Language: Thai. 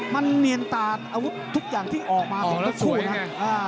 มันเนียนตานอาวุธทุกอย่างที่ออกมาของทั้งคู่นะ